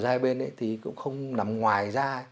giữa hai bên thì cũng không nằm ngoài ra